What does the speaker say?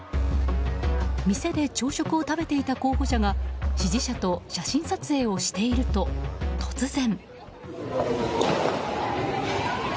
店で朝食を食べていた候補者が支持者と写真撮影をしていると突然。